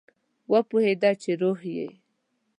وپوهیده چې روح یې